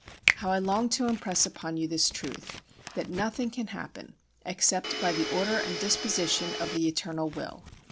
How I long to impress upon you this truth, that nothing can happen except by the order and disposition of the Eternal Will.